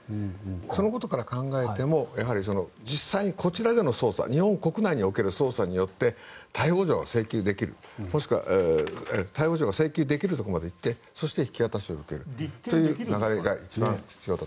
そのことから考えても実際にこちらでの捜査日本国内における捜査によって逮捕状が請求できる、もしくは逮捕状が請求できるところまでいってそして引き渡しを受けるという流れが一番必要だと。